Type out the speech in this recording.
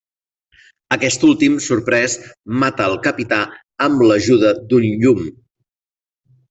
Aquest últim, sorprès, mata el capità amb l'ajuda d'un llum.